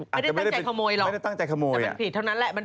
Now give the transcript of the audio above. ไม่ได้ตั้งใจขโมยหรอกไม่ได้ตั้งใจขโมยแต่มันผิดเท่านั้นแหละ